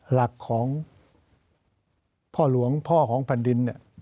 หลักของพ่อหลวงพ่อของแผ่นดินเนี่ย